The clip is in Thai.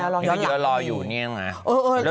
เร็วเร็วเข้าเดี๋ยวไปแล้ว